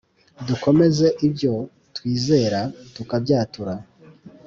dukomeze ibyo twizera tukabyatura